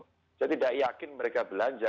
saya tidak yakin mereka belanja